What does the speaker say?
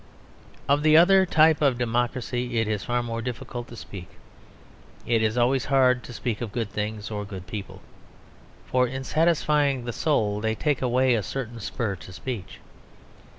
Of the other type of democracy it is far more difficult to speak. It is always hard to speak of good things or good people, for in satisfying the soul they take away a certain spur to speech.